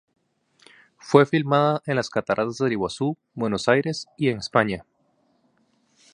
Fue filmada en las Cataratas del Iguazú, Buenos Aires y en España.